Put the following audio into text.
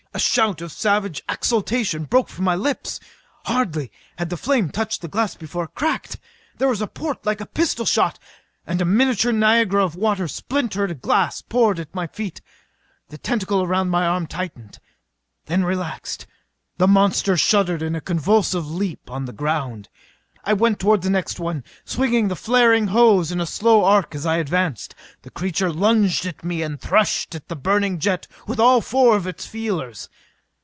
A shout of savage exultation broke from my lips. Hardly, had the flame touched the glass before it cracked! There was a report like a pistol shot and a miniature Niagara of water and splintered glass poured at my feet! The tentacle around my arm tightened, then relaxed. The monster shuddered in a convulsive heap on the ground. I went toward the next one, swinging the flaring hose in a slow arc as I advanced. The creature lunged at me and threshed at the burning jet with all four of its feelers.